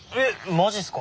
マジっすか。